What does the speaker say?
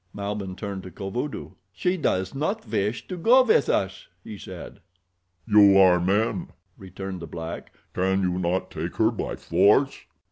Malbihn turned to Kovudoo. "She does not wish to go with us," he said. "You are men," returned the black. "Can you not take her by force?"